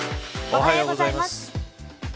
おはようございます。